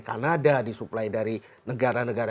kanada disuplai dari negara negara